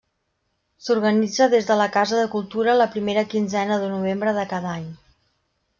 S'organitza des de la Casa de Cultura la primera quinzena de novembre de cada any.